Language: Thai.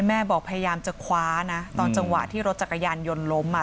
แม่บอกพยายามจะคว้านะตอนจังหวะที่รถจักรยานยนต์ล้มอ่ะ